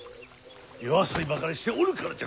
夜遊びばかりしておるからじゃ